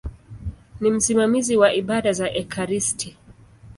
Ni msimamizi wa ibada za ekaristi.